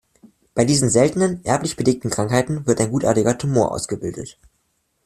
Bei diesen seltenen erblich bedingten Krankheiten wird ein gutartiger Tumor ausgebildet.